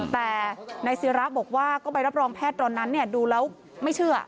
แต่นายศิระบอกว่าก็ใบรับรองแพทย์ตอนนั้นดูแล้วไม่เชื่อ